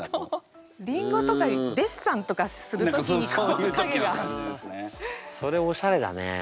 りんごとかデッサンとかする時にこういう影が。それおしゃれだね。